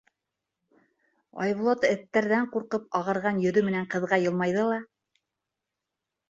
Айбулат эттәрҙән ҡурҡып ағарған йөҙө менән ҡыҙға йылмайҙы ла: